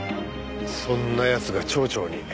そんな奴が町長に。